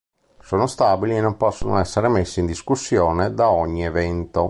Sono stabili e non possono essere messi in discussione da ogni evento.